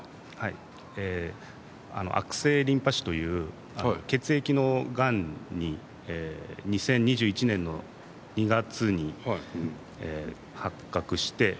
悪性リンパ腫という血液のがんに２０２１年の２月に発覚して。